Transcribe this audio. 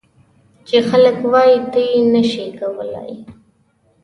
چې خلک وایي ته یې نه شې کولای.